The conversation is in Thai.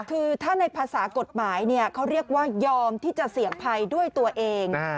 คือถ้าในภาษากฎหมายเขาเรียกว่ายอมที่จะเสี่ยงภัยด้วยตัวเอง